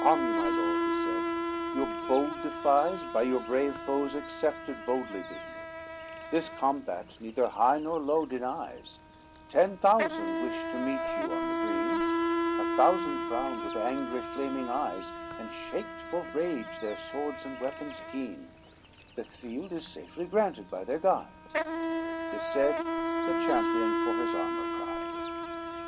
XX "Arm you, my lord," he said, "your bold defies By your brave foes accepted boldly been, This combat neither high nor low denies, Ten thousand wish to meet you on the green; A thousand frowned with angry flaming eyes, And shaked for rage their swords and weapons keen; The field is safely granted by their guide," This said, the champion for his armor cried.